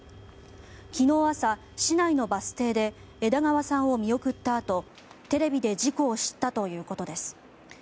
昨日朝、市内のバス停で枝川さんを見送ったあとテレビで事故を知ったということです。